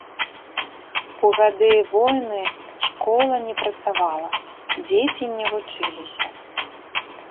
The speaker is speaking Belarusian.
У гады войны школа не працавала, дзеці не вучыліся.